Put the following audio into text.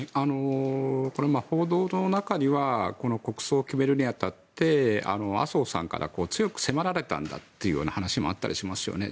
報道の中には国葬を決めるに当たって麻生さんから強く迫られたんだという話もありますよね。